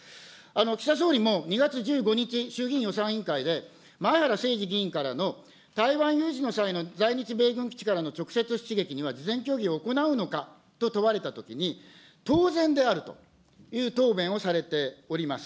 岸田総理も、２月１５日、衆議院予算委員会で、前原誠司議員からの台湾有事の際の在日米軍基地からの直接出撃には事前協議を行うのかと問われたときに、当然であるという答弁をされております。